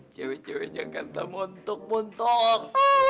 cewek ceweknya ganteng montok montok